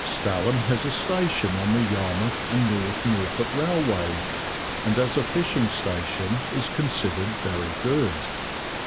Stalham has a station on the Yarmouth and North Norfolk Railway, and as a fishing station is considered very good.